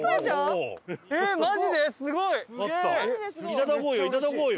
いただこうよいただこうよ。